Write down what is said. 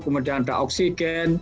kemudian ada oksigen